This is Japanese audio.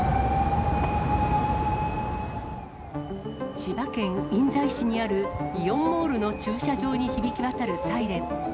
千葉県印西市にあるイオンモールの駐車場に響き渡るサイレン。